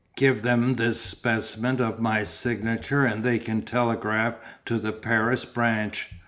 Give them this specimen of my signature and they can telegraph to the Paris branch.